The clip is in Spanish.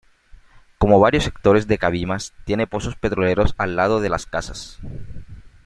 Como varios sectores de Cabimas tiene pozos petroleros al lado de las casas.